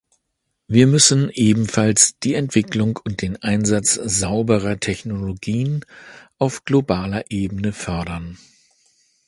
Wir müssen ebenfalls die Entwicklung und den Einsatz sauberer Technologien auf globaler Ebene fördern.